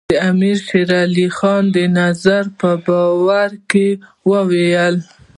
د امیر شېر علي د نظر په باره کې وویل.